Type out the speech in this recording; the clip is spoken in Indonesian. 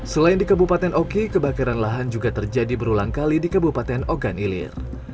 selain di kabupaten oki kebakaran lahan juga terjadi berulang kali di kabupaten ogan ilir